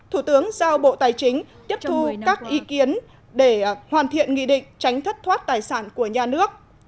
thủ tướng giao bộ tài chính tiếp thu các ý kiến để hoàn thiện nghị định tránh thất thoát tài sản của nhà nước